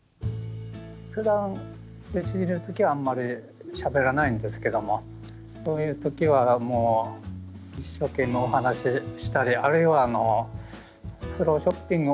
ふだんうちにいる時はあんまりしゃべらないんですけどもこういう時はもう一生懸命お話ししたりあるいはスローショッピング終わったあとですね